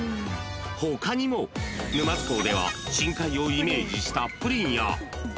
［他にも沼津港では深海をイメージしたプリンや］